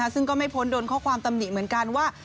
ซึ่งก็ไม่พ้นโดนข้อความตำหนิเหมือนกันว่า